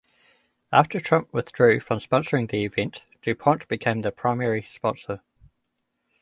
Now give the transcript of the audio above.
After Trump withdrew from sponsoring the event, DuPont became the primary sponsor.